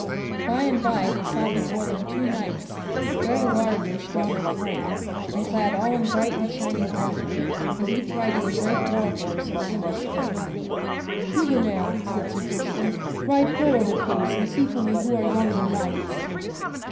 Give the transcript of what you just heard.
By and by they saw before them two knights, very large and strong of frame and clad all in bright and shining armor, and each riding a great war horse of Flemish strain. [Sidenote: Sir Tristram comes to two knights] "Gouvernail," said Sir Tristram, "ride forward apace and see for me who are yonder knights."